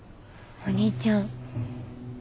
お兄ちゃん。